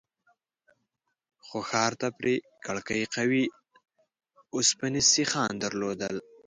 خو ښار ته پرې کړکۍ قوي اوسپنيز سيخان درلودل.